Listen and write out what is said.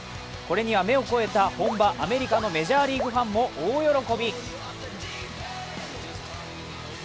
これには目の肥えた本場・アメリカのメジャーリーグファンも大喜び。